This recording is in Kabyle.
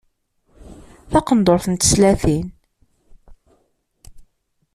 Taqendurt n teslatin.